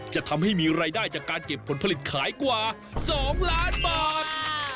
จะทำให้มีรายได้จากการเก็บผลผลิตขายกว่า๒ล้านบาท